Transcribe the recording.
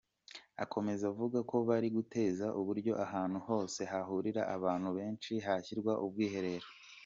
Akomeza avuga ko bari gutekereza uburyo ahantu hose hahurira abantu benshi hashyirwa ubwiherero.